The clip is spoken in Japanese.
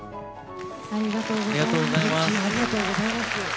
ありがとうございます。